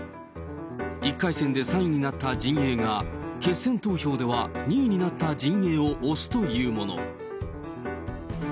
１回戦で３位になった陣営が、決選投票では２位になった陣営を推すというもの。